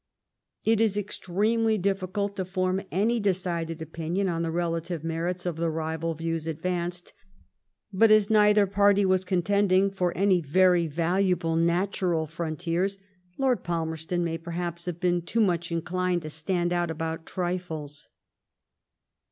It is extremely difficult to form any decided opinion on the relative merits of the rival views advanced, but as neither party was contending for 88 LIFE OF, VISCOUNT PALMEBSTOK. any very valuable natural frontiers. Lord Palmerston may, perhaps, have been too much inclined to stand out about trifles.